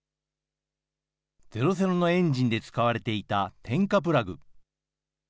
ゼロ戦のエンジンで使われていた点火プラグ。